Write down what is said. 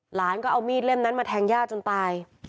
หลานก็เอามีดเล่มนั้นมาแทงย่าจนตาย